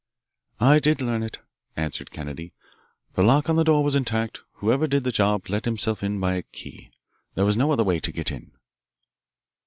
"I did learn it," answered Kennedy. "The lock on the door was intact whoever did the job let himself in by a key. There is no other way to get in."